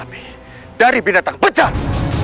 tapi kalau ada yang kenajan